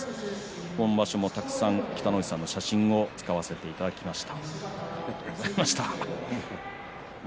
今場所も、たくさん北の富士さんの写真を使わせていただきました。